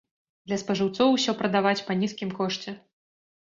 Для спажыўцоў усё прадаваць па нізкім кошце.